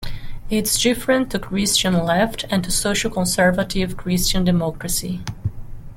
It's different to christian left and to social-conservative christian democracy.